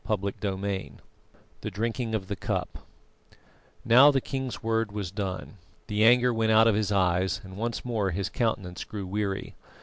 CHAPTER VI THE DRINKING OF THE CUP Now the king's word was done, the anger went out of his eyes, and once more his countenance grew weary.